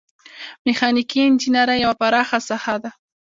میخانیکي انجنیری یوه پراخه ساحه ده.